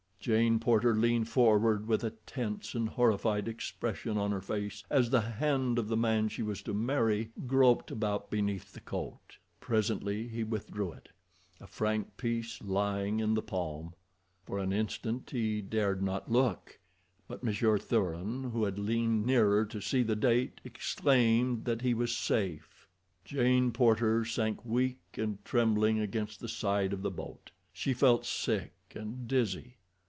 Jane Porter leaned forward with a tense and horrified expression on her face as the hand of the man she was to marry groped about beneath the coat. Presently he withdrew it, a franc piece lying in the palm. For an instant he dared not look, but Monsieur Thuran, who had leaned nearer to see the date, exclaimed that he was safe. Jane Porter sank weak and trembling against the side of the boat. She felt sick and dizzy.